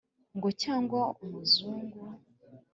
Ngo cyangwa umuzungu